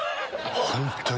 本当に。